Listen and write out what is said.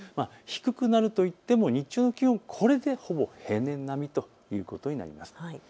低くなるといっても日中の気温、これでほぼ平年並みということになります。